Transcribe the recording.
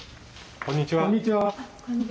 こんにちは。